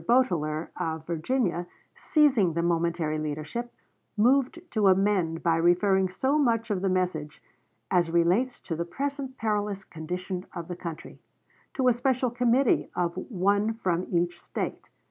Boteler, of Virginia, seizing the momentary leadership, moved to amend by referring so much of the message "as relates to the present perilous condition of the country" to a special committee of one from each State.